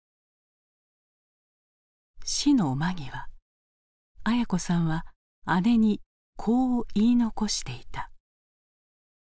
死の間際文子さんは姉にこう言い残していた。